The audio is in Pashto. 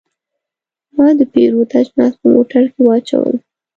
ما د پیرود اجناس په موټر کې واچول.